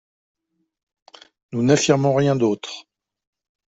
Nous n’affirmons rien d’autre.